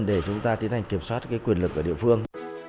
để chúng ta tiến hành kiểm soát cái quyền lực của địa phương